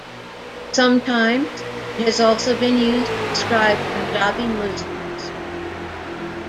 Sometimes, it has also been used to describe Punjabi Muslims.